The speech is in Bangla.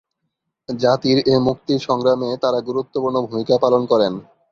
জাতির এ মুক্তি সংগ্রামে তাঁরা গুরুত্বপূর্ণ ভূমিকা পালন করেন।